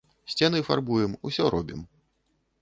Сцены фарбуем, усё робім.